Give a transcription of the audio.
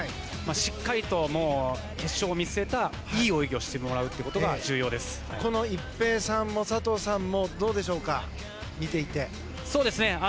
しっかりと決勝を見据えたいい泳ぎをしてもらうことが一平さんも佐藤さんもどうでしょうか、見ていて。